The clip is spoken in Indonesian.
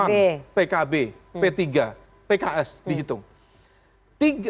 pan pkb p tiga pks dihitung